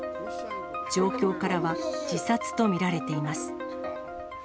状況からは自殺と見られています。